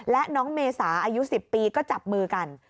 และน้องเมษาอายุ๑๐ปีก็จับมือกัน